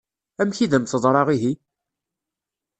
Amek i d-am-teḍṛa ihi?